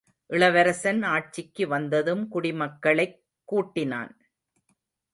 இளவரசன் ஆட்சிக்கு வந்ததும், குடிமக்களைக் கூட்டினான்.